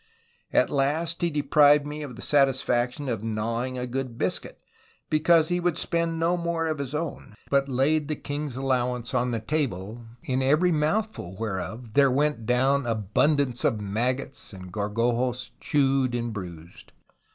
At last he deprived me of the satisfaction of gnawing a good bisket, be cause he would spend no more of his own, but laid the king's allow ance on the table; in every mouthful whereof there went down abundance of maggots and Gorgojos chew'd and bruis'd.